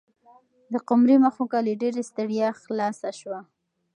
د قمرۍ مښوکه له ډېرې ستړیا خلاصه شوه.